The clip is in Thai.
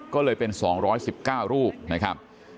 ก็เลยเป็น๒๑๙รูปนะครับ